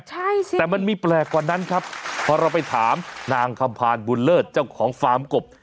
ใช่สิแต่มันมีแปลกกว่านั้นครับพอเราไปถามนางคำพานบุญเลิศเจ้าของฟาร์มกบ